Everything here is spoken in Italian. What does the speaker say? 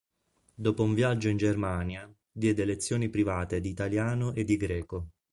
Dopo un viaggio in Germania, diede lezioni private di italiano e di greco.